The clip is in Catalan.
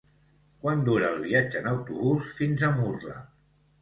Quant dura el viatge en autobús fins a Murla?